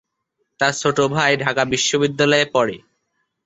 তার ছোট ভাই ঢাকা বিশ্ববিদ্যালয়ে পড়ে।